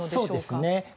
そうですね。